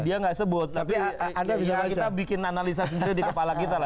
dia nggak sebut tapi sekarang kita bikin analisa sendiri di kepala kita lah